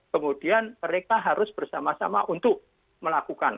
kemudian mereka harus bersama sama untuk melakukan